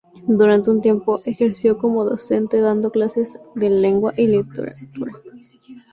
Durante un tiempo ejerció como docente dando clases de lengua y literatura.